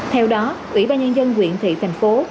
theo đó ủy ban nhân dân quyện thị thành phố